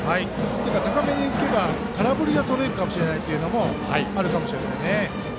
高めに浮けば空振りがとれるかもしれないのもあるかもしれません。